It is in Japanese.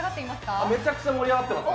めちゃめちゃ盛り上がってます。